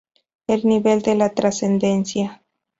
El nivel de la trascendencia.